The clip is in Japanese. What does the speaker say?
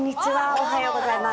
おはようございます。